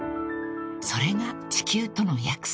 ［それが地球との約束］